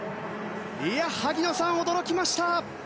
萩野さん、驚きました。